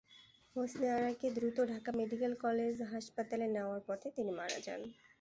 হোসনে আরাকে দ্রুত Dhaka medical college হাসপাতালে নেওয়ার পথে তিনি মারা যান।